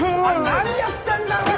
何やってんだよ！